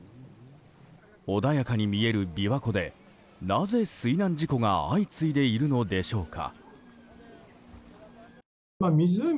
穏やかに見える琵琶湖でなぜ水難事故が相次いでいるのでしょうか。